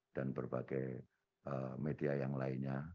berbagai media yang lainnya